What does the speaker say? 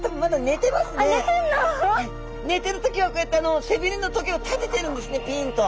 寝てる時はこうやって背びれのとげを立てているんですねピンと。